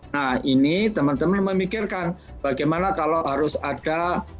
nah ini teman teman memikirkan bagaimana kalau harus ada